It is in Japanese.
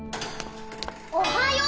おはよう。